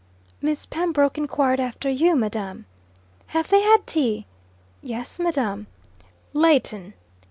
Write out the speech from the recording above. "Miss Pembroke inquired after you, madam." "Have they had tea?" "Yes, madam." "Leighton!"